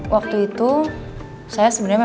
waktu itu saya sebenarnya